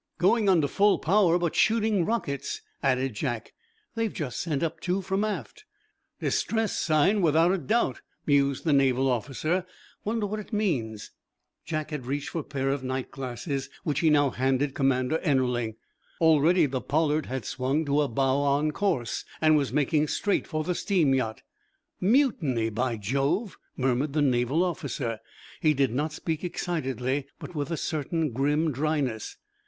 "Going under full power, but shooting rockets," added Jack. "They've just sent up two from aft." "Distress sign, without a doubt," mused the Naval officer. "Wonder what it means?" Jack had reached for a pair of night glasses, which he now handed Commander Ennerling. Already the "Pollard" had swung to a bow on course and was making straight for the steam yacht. "Mutiny, by Jove!" murmured the Naval officer. He did not speak excitedly, but with a certain grim dryness.